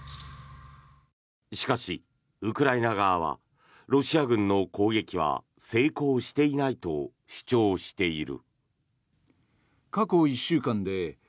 しかし、ウクライナ側はロシア軍の攻撃は成功していないと主張している。